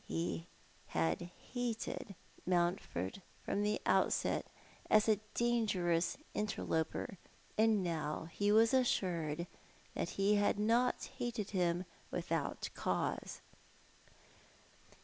He had hated Mountford from the outset as a dangerous inter loper; and now he was assured that he had not hated him without cause.